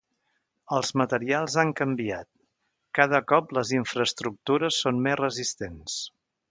Els materials han canviat, cada cop les infraestructures són més resistents.